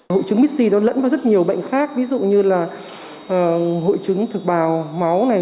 hội trứng mis c nó lẫn vào rất nhiều bệnh khác ví dụ như là hội trứng thực bào máu này